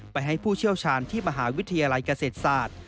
ให้ผู้เชี่ยวชาญที่มหาวิทยาลัยเกษตรศาสตร์